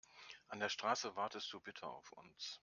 An der Straße wartest du bitte auf uns.